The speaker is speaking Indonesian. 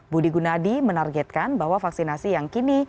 budi gunadi menargetkan bahwa vaksinasi yang kini